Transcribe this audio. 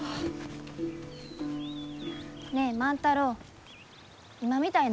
ねえ万太郎今みたいながやめや。